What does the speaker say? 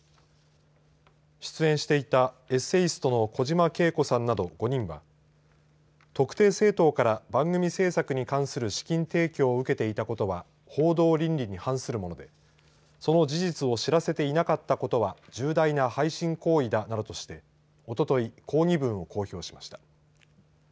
出演していたエッセイストの小島慶子さんなど５人は特定政党から番組制作に関する資金提供を受けていたことは報道倫理に反するものでその事実を知らせていなかったことは重大な背信行為だなどとしておととい抗議文を公表しました。